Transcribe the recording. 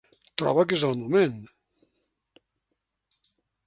Troba que és el moment.